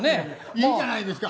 いいんじゃないですか。